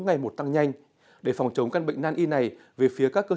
ngày một tăng nhanh để phòng chống căn bệnh nan y này về phía các cơ sở y tế